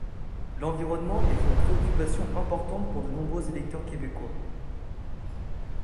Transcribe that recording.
L'environnement est une préoccupation importante pour de nombreux électeurs québécois.